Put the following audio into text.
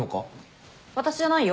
私じゃないよ。